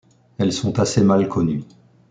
Elles sont assez mal connues.